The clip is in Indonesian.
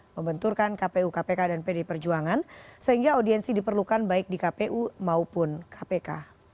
membenturkan kpu kpk dan pd perjuangan sehingga audiensi diperlukan baik di kpu maupun kpk